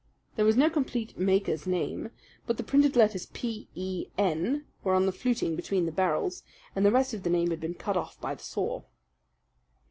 There was no complete maker's name; but the printed letters P E N were on the fluting between the barrels, and the rest of the name had been cut off by the saw."